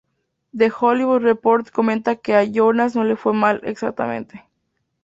The Hollywood Reporter comenta que ""a Jonas no le fue mal, exactamente.